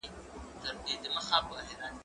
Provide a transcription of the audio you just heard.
زه مخکي کالي وچولي وو